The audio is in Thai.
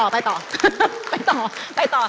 ไปต่อไปต่อ